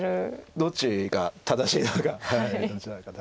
どちらが正しいのか。